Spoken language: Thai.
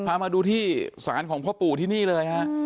พามาดูที่ศาลของพ่อปู่ที่นี่เลยฮะ